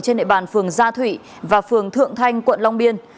trên địa bàn phường gia thụy và phường thượng thanh quận long biên